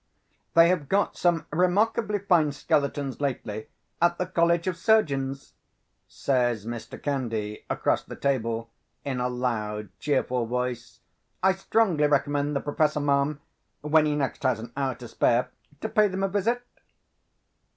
"They have got some remarkably fine skeletons lately at the College of Surgeons," says Mr. Candy, across the table, in a loud cheerful voice. "I strongly recommend the Professor, ma'am, when he next has an hour to spare, to pay them a visit."